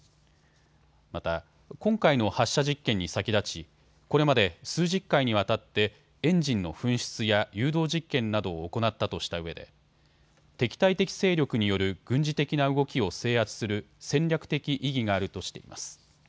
また、今回の発射実験に先立ちこれまで数十回にわたってエンジンの噴出や誘導実験などを行ったとしたうえで敵対的勢力による軍事的な動きを制圧する戦略的意義があるとしています。